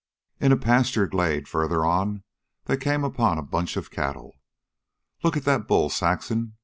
In a pasture glade, farther on, they came upon a bunch of cattle. "Look at that bull, Saxon.